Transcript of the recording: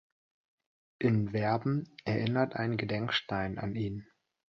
In Werben erinnert ein Gedenkstein an ihn.